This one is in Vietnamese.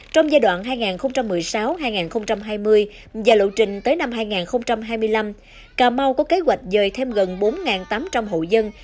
trong giai đoạn hai nghìn một mươi sáu hai nghìn hai mươi và lộ trình tới năm hai nghìn hai mươi năm cà mau có kế hoạch dời thêm gần bốn tám trăm linh hộ dân